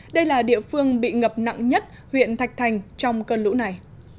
đây là địa phương bị ngập nặng nhất huyện thạch thành trong cơn lũ này